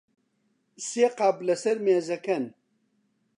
سێ قاپ لەسەر مێزەکەن.